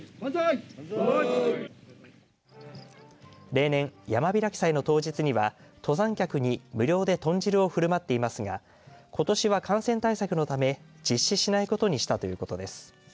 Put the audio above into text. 例年、山開き祭の当日には登山客に無料で豚汁をふるまっていますがことしは感染対策のため実施しないことにしたということです。